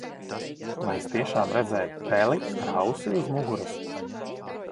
Vai es tiešām redzēju peli ar ausi uz muguras?